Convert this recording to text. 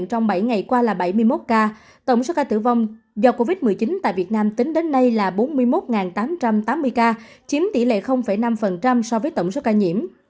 tổng số ca tử vong do covid một mươi chín tại việt nam tính đến nay là bốn mươi một tám trăm tám mươi ca chiếm tỷ lệ năm so với tổng số ca nhiễm